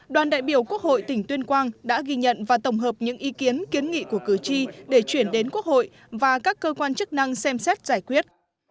đoàn đại biểu quốc hội tỉnh tuyên quang đã ghi nhận và tổng hợp những ý kiến kiến nghị của cử tri để chuyển đến quốc hội và các cơ quan chức năng xem xét giải quyết